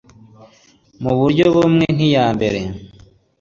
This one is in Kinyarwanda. mu buryo bumwe nk iya mbere